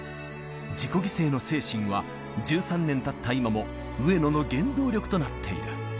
自己犠牲の精神は、１３年たった今も、上野の原動力となっている。